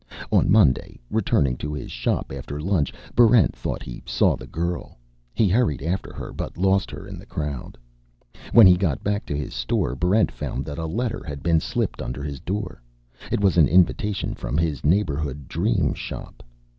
On Monday, returning to his shop after lunch, Barrent thought he saw the girl. He hurried after her, but lost her in the crowd. When he got back to his store, Barrent found that a letter had been slipped under his door. It was an invitation from his neighborhood Dream Shop.